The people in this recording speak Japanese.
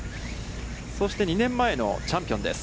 そして２年前のチャンピオンです。